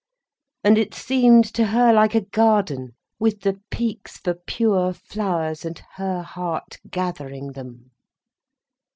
And it seemed to her like a garden, with the peaks for pure flowers, and her heart gathering them.